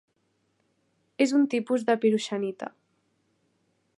És un tipus de piroxenita.